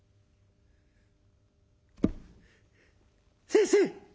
「先生！